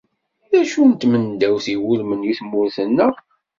D acu n tmendawt i iwulmen i tmurt-nneɣ?